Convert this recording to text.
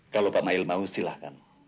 kalau pak mail mau silahkan